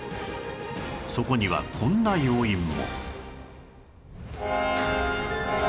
そこにはこんな要因も